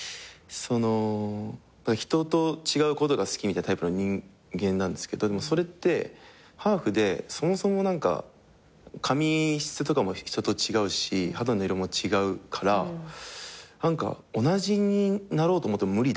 人と違うことが好きみたいなタイプの人間なんですけどそれってハーフでそもそも髪質とかも人と違うし肌の色も違うから同じになろうと思っても無理だなみたいなことに気が付いて。